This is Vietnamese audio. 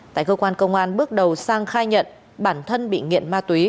tại cơ quan công an bước đầu sang khai nhận bản thân bị nghiện ma túy